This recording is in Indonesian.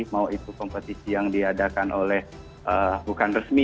mau itu kompetisi yang diadakan oleh bukan resmi